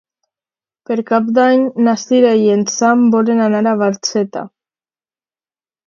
Per Cap d'Any na Sira i en Sam volen anar a Barxeta.